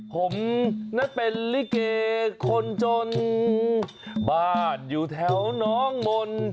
ผมนั่นเป็นลิเกคนจนบ้านอยู่แถวน้องมนต์